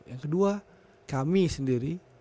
yang kedua kami sendiri